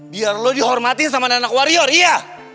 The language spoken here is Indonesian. biar lo dihormatin sama anak anak warrior iya